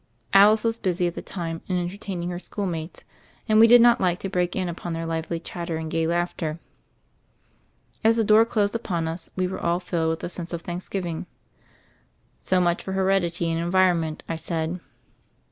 Alice was busy, at the time, in entertaining her schoolmates and we did not like to break in upon their lively chatter and gay laughter. As the door closed upon us we were all filled with a sense of thanksgiving. "So much for heredity and environment," I said.